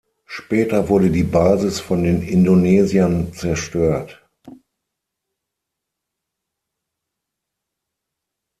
Später wurde die Basis von den Indonesiern zerstört.